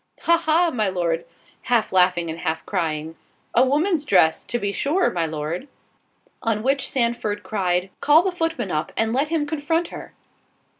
"Ha, ha, my Lord," (half laughing and half crying) "a woman's dress, to be sure, my Lord." On which Sandford cried—— "Call the footman up, and let him confront her."